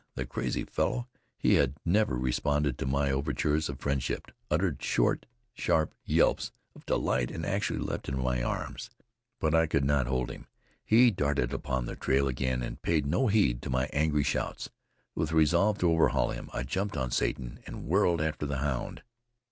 The crazy fellow he had never responded to my overtures of friendship uttered short, sharp yelps of delight, and actually leaped into my arms. But I could not hold him. He darted upon the trail again and paid no heed to my angry shouts. With a resolve to overhaul him, I jumped on Satan and whirled after the hound.